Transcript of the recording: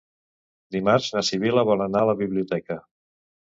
Dimarts na Sibil·la vol anar a la biblioteca.